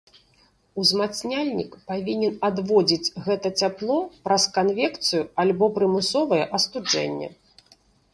Узмацняльнік павінен адводзіць гэта цяпло праз канвекцыю альбо прымусовае астуджэнне.